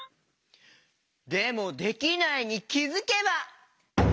でも「できないに気づけば」？